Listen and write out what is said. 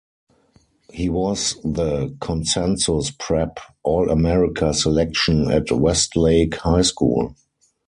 He was the consensus prep All-America selection at Westlake High School.